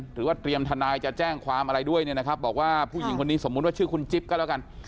หรือว่าเตรียมทนายจะแจ้งความอะไรด้วยเนี่ยนะครับบอกว่าผู้หญิงคนนี้สมมุติว่าชื่อคุณจิ๊บก็แล้วกัน